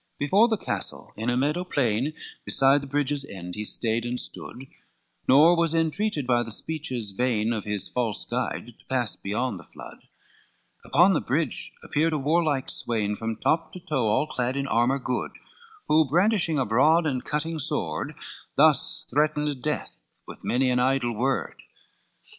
XXXI Before the castle, in a meadow plain Beside the bridge's end, he stayed and stood, Nor was entreated by the speeches vain Of his false guide, to pass beyond the flood. Upon the bridge appeared a warlike swain, From top to toe all clad in armor good, Who brandishing a broad and cutting sword, Thus threatened death with many an idle word.